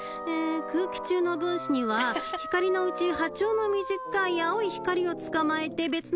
空気中の分子には光のうち波長の短い青い光をつかまえて別の方向へ。